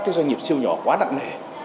các doanh nghiệp siêu nhỏ quá nặng nề